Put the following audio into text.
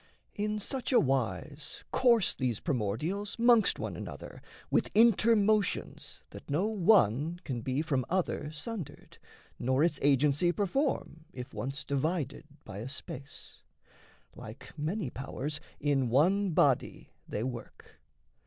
In such a wise Course these primordials 'mongst one another With inter motions that no one can be From other sundered, nor its agency Perform, if once divided by a space; Like many powers in one body they work.